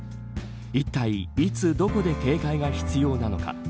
いったいいつどこで警戒が必要なのか。